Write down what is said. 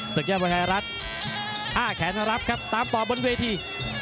ศึกย่าบังไฮรัตอ้าแขนสำรับครับตามต่อบนเวที